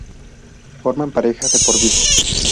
Forman pareja de por vida.